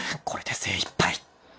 これで精いっぱい！］